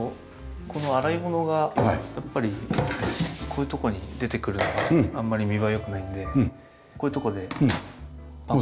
この洗い物がやっぱりこういうとこに出てくるのがあんまり見栄えよくないんでこういう所で。